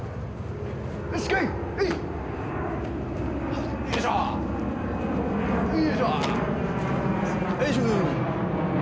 はい。